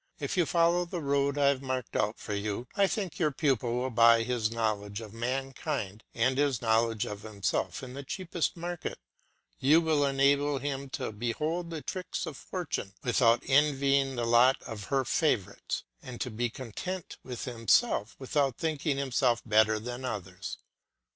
If you follow the road I have marked out for you, I think your pupil will buy his knowledge of mankind and his knowledge of himself in the cheapest market; you will enable him to behold the tricks of fortune without envying the lot of her favourites, and to be content with himself without thinking himself better than others.